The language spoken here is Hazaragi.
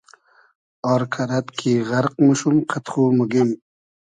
آر کئرئد کی غئرق موشوم قئد خو موگیم